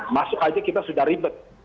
masuk aja kita sudah ribet